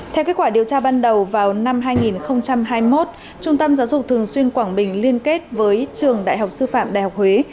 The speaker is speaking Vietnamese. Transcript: theo kết quả điều tra ban đầu vào năm hai nghìn hai mươi một trung tâm giáo dục thường xuyên quảng bình liên kết với trường đại học sư phạm đại học huế